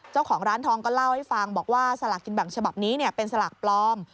เจ้าของร้านทองก็เล่าให้ฟังบอกว่าสลากกินแบ่งฉบับนี้เป็นสลากปลอม